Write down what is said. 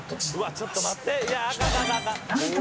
ちょっと待って！